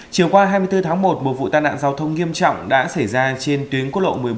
chiều qua hai mươi bốn tháng một một vụ tai nạn giao thông nghiêm trọng đã xảy ra trên tuyến quốc lộ một mươi bốn